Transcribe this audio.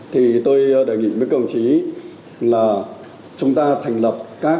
thì tôi đề nghị với công chí là chúng ta thành lập các